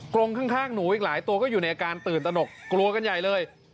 กรงข้างหนูอีกหลายตัวก็อยู่ในอาการตื่นตนกกลัวกันใหญ่เลย